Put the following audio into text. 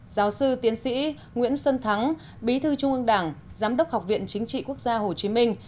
giáo sư tiến sĩ nguyễn xuân thắng bí thư trung ương đảng giám đốc học viện chính trị quốc gia hồ chí minh